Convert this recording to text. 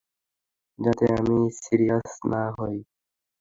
যাতে আমি সিরিয়াস না হই।